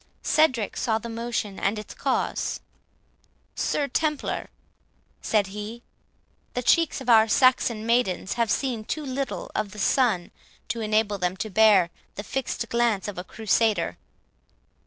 Cedric saw the motion and its cause. "Sir Templar," said he, "the cheeks of our Saxon maidens have seen too little of the sun to enable them to bear the fixed glance of a crusader."